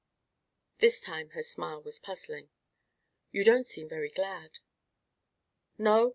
This time her smile was puzzling. "You don't seem very glad!" "No!